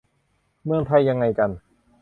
เมืองไทยยังไงกัน